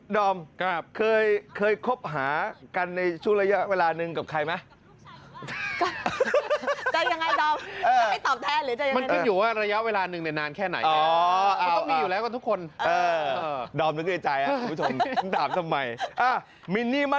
ดอมเคยคบหากันในช่วงระยะเวลาหนึ่งกับใครไหม